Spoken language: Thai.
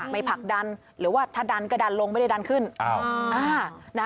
ผลักดันหรือว่าถ้าดันก็ดันลงไม่ได้ดันขึ้น